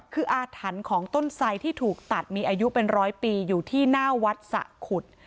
คืออาถรรพ์ของต้นไสที่ถูกตัดมีอายุเป็นร้อยปีอยู่ที่หน้าวัดสะขุด